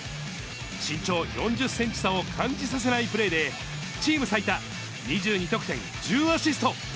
身長４０センチ差を感じさせないプレーで、チーム最多２２得点１０アシスト。